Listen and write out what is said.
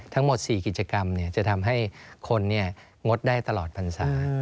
ทั้งหมดสี่กิจกรรมเนี่ยจะทำให้คนเนี่ยงดได้ตลอดพรษา